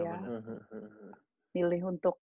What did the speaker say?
jadi ya milih untuk